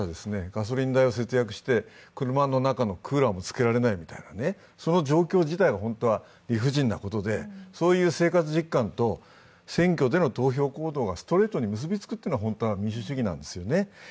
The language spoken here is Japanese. ガソリン代を節約して、車の中のクーラーもつけられないみたいな、その状況自体が本当は理不尽なこで、そういう生活実感と選挙での投票行動がストレートに結びつくのが本当の民主主義なんですよね。